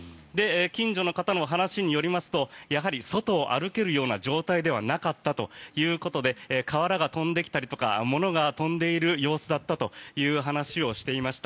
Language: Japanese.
近所の方の話によりますとやはり外を歩けるような状態ではなかったということで瓦が飛んできたり物が飛んでいる様子だったという話をしていました。